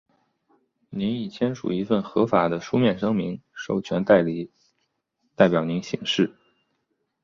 您已签署一份合法的书面声明，授权代理代表您行事。